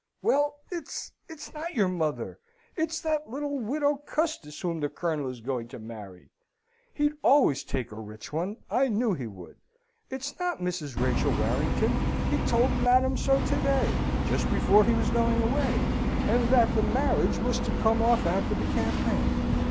"Well, it's it's not your mother. It's that little widow Custis whom the Colonel is going to marry. He'd always take a rich one; I knew he would. It's not Mrs. Rachel Warrington. He told Madam so to day, just before he was going away, and that the marriage was to come off after the campaign.